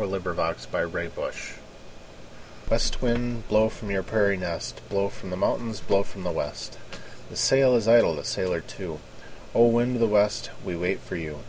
THE SONG MY PADDLE SINGS West wind, blow from your prairie nest, Blow from the mountains, blow from the west. The sail is idle, the sailor too; O! wind of the west, we wait for you.